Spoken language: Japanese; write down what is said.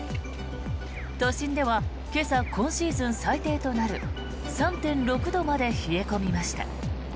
都心では今朝今シーズン最低となる３．６度まで冷え込みました。